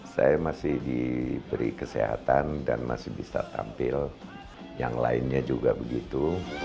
saya masih diberi kesehatan dan masih bisa tampil yang lainnya juga begitu